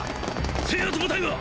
制圧部隊は！？